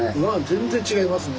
全然違いますね。